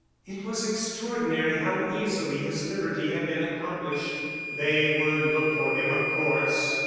It was extraordinary how easily his liberty had been accomplished. They would look for him, of course.